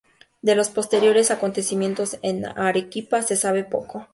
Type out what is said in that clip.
De los posteriores acontecimientos en Arequipa se sabe poco.